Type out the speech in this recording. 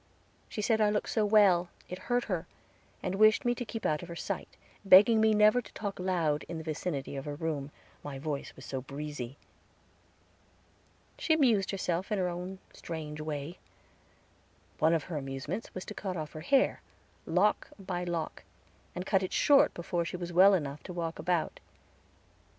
She said I looked so well, it hurt her, and wished me to keep out of her sight, begged me never to talk loud in the vicinity of her room, my voice was so breezy. She amused herself in her own strange way. One of her amusements was to cut off her hair, lock by lock, and cut it short before she was well enough to walk about.